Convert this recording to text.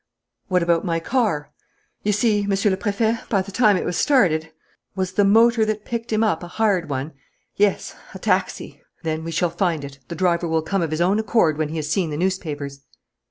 "But what about my car?" "You see, Monsieur le Préfet, by the time it was started " "Was the motor that picked him up a hired one?" "Yes, a taxi." "Then we shall find it. The driver will come of his own accord when he has seen the newspapers."